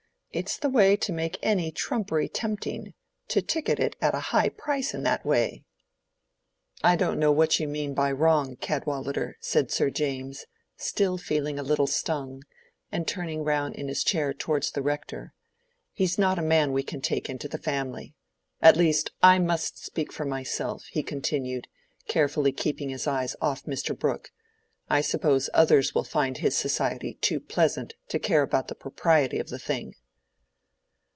It's the way to make any trumpery tempting, to ticket it at a high price in that way." "I don't know what you mean by wrong, Cadwallader," said Sir James, still feeling a little stung, and turning round in his chair towards the Rector. "He's not a man we can take into the family. At least, I must speak for myself," he continued, carefully keeping his eyes off Mr. Brooke. "I suppose others will find his society too pleasant to care about the propriety of the thing."